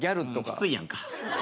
きついやんか。